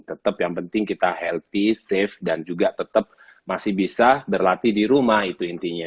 tetap yang penting kita healthy safe dan juga tetap masih bisa berlatih di rumah itu intinya